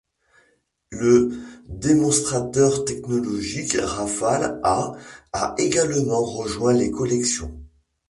Le démonstrateur technologique Rafale A a également rejoint les collections.